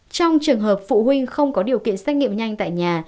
trong trường hợp phụ huynh không có điều kiện xét nghiệm nhanh tại nhà